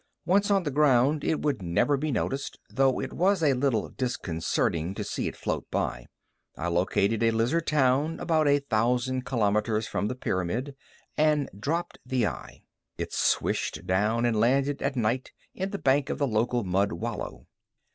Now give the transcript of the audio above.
Once on the ground, it would never be noticed, though it was a little disconcerting to see it float by. I located a lizard town about a thousand kilometers from the pyramid and dropped the eye. It swished down and landed at night in the bank of the local mud wallow.